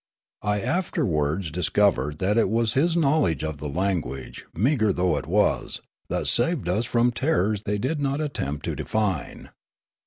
I afterwards discovered that it was his knowledge of the language, meagre though it was, that saved us from terrors they did not attempt to define.